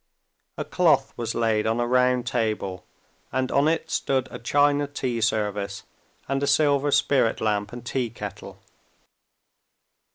A cloth was laid on a round table, and on it stood a china tea service and a silver spirit lamp and tea kettle.